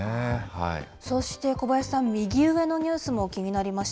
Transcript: そして小林さん、右上のニュースも気になりました。